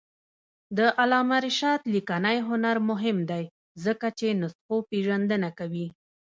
د علامه رشاد لیکنی هنر مهم دی ځکه چې نسخوپېژندنه کوي.